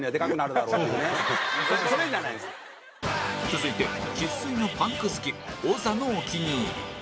続いて生粋のパンク好きオザのお気に入り